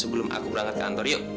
sebelum aku berangkat ke kantor yuk